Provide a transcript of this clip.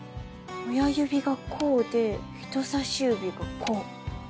親指がこうで人さし指がこう。